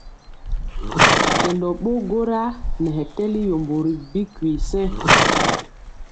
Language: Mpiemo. Kɛndɔ ɓo gwora nɛ hɛ tɛli yombo ri bikwi sɛŋ.